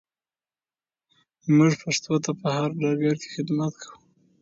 موږ پښتو ته په هر ډګر کې خدمت کوو.